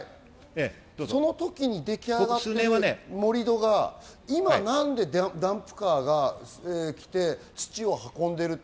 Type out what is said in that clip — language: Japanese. その時に出来上がった盛り土が、今何でダンプカーが来て土を運んでいるのか。